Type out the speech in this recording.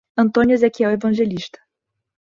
Antônio Ezequiel Evangelista